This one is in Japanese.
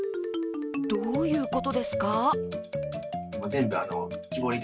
どういうことですか？